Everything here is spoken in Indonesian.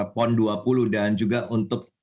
pon dua puluh dan juga untuk